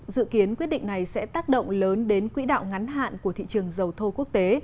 dự kiến quyết định này sẽ tác động lớn đến quỹ đạo ngắn hạn của thị trường dầu thô quốc tế